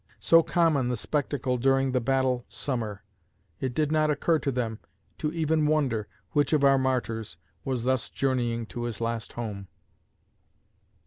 So common the spectacle during the Battle Summer, it did not occur to them to even wonder which of our martyrs was thus journeying to his last home.